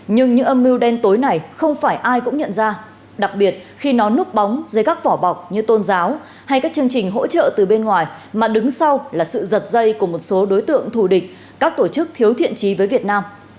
nhưng những âm mưu đen tối này không phải ai cũng nhận ra đặc biệt khi nó núp bóng dưới các vỏ bọc như tôn giáo hay các chương trình hỗ trợ từ bên ngoài mà đứng sau là sự giật dây của một số đối tượng thù địch các tổ chức thiếu thiện trí với việt nam